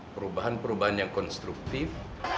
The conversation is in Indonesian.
perubahan perubahan yang konstruktif